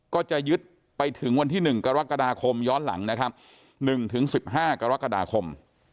ก็จะยึดไปถึงวันที่๑กรกฎาคมย้อนหลังนะครับ๑๑๕กรกฎาคม